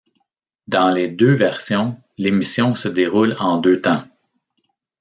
Dans les deux versions, l'émission se déroule en deux temps.